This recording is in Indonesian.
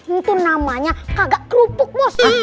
itu namanya kagak kerupuk bosan